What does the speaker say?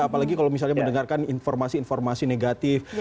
apalagi kalau misalnya mendengarkan informasi informasi negatif